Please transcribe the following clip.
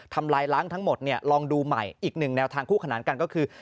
ลายล้างทั้งหมดเนี่ยลองดูใหม่อีกหนึ่งแนวทางคู่ขนานกันก็คือ